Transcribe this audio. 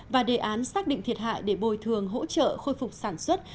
và đề án xác định thiệt hại để bồi thường hỗ trợ khôi phục sản xuất